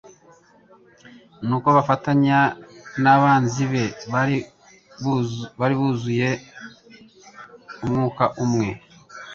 Nuko bifatanya n'abanzi be bari buzuye umwuka umwe.